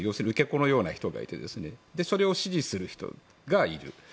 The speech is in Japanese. このような人がいてそれを指示する人がいる。